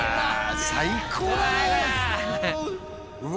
最高だね